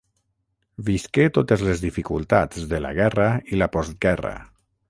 Visqué totes les dificultats de la guerra i la postguerra.